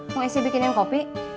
mau isi bikinin kopi